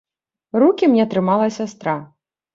Рукі мне трымала сястра.